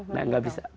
nah gak bisa